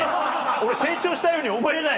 俺成長したように思えない。